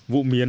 vụ mía nặng